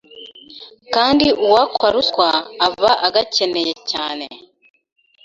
kandi uwakwa ruswa aba agakeneye cyane